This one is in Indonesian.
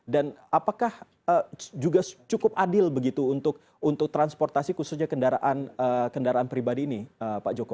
dan apakah juga cukup adil begitu untuk transportasi khususnya kendaraan pribadi ini pak joko